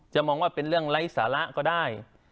มองว่าเป็นเรื่องไร้สาระก็ได้